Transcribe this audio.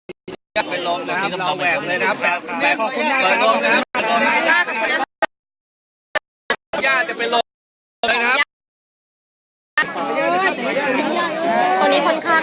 มีแต่โดนล้าลาน